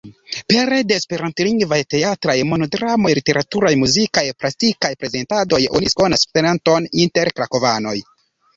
Pere de esperantlingvaj teatraj monodramoj, literaturaj, muzikaj, plastikaj prezentadoj, oni diskonigas Esperanton inter krakovanoj.